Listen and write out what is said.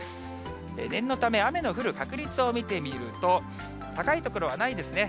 念のため、雨の降る確率を見てみると、高い所はないですね。